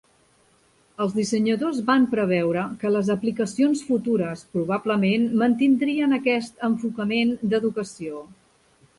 Els dissenyadors van preveure que les aplicacions futures probablement mantindrien aquest enfocament de educació.